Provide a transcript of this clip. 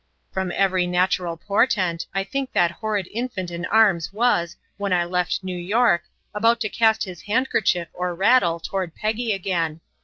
"From every natural portent, I think that horrid infant in arms was, when I left New York, about to cast his handkerchief or rattle toward Peggy again.